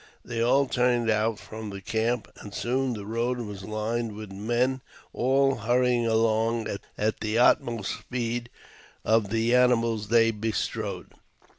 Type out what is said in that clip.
They all turned out from the camp, and soon the road was lined with men, all hurrying along at the utmost 1G4 AUTOBIOGEAPHY OF speed of the animals they bestrode.